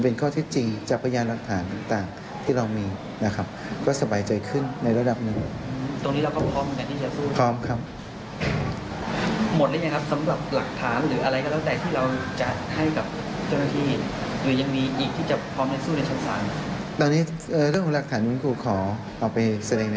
แล้วก็พูดเพียงประโยคสั้นว่ามารอพิสูจน์ความจริง